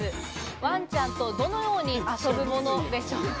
ワンちゃんと、どのように遊ぶものでしょうか？